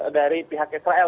dari pihak israel